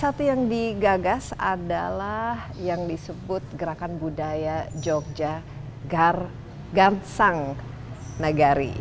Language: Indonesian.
salah satu yang digagas adalah yang disebut gerakan budaya jogja gar gar sang nagari